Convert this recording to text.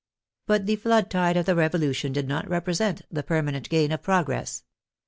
But the flood tide of the Revolution did not represent the permanent gain of progress.